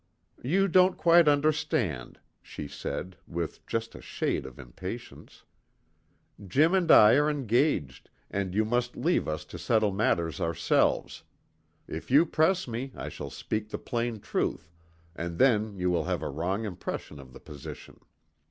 "You don't quite understand," she said, with just a shade of impatience. "Jim and I are engaged, and you must leave us to settle matters ourselves. If you press me I shall speak the plain truth, and then you will have a wrong impression of the position.